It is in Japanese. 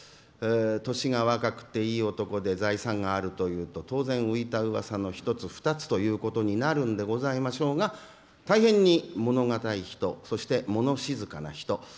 年が若くて、いい男で財産があるというと当然、浮いたうわさの１つ２つということになるんでしょうが大変に物堅い人そして、物静かな人。